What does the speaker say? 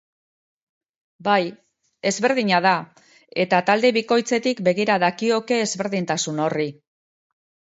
Bai, ezberdina da, eta alde bikoitzetik begira dakioke ezberdintasun horri.